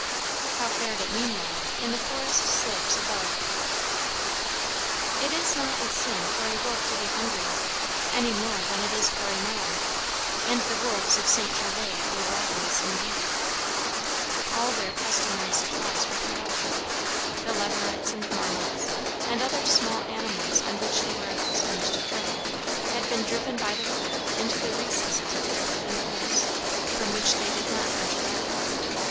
How fared it meanwhile in the forest slopes above? It is not a sin for a wolf to be hungry, any more than it is for a man; and the wolves of St. Gervas were ravenous indeed. All their customary supplies were cut off. The leverets and marmots, and other small animals on which they were accustomed to prey, had been driven by the cold into the recesses of their hidden holes, from which they did not venture out.